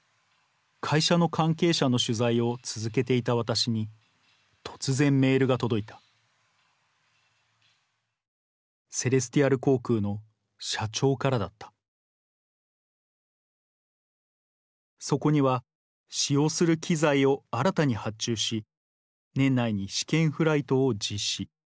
会社の関係者の取材を続けていた私に突然メールが届いたセレスティアル航空の社長からだったそこには「使用する機材を新たに発注し年内に試験フライトを実施。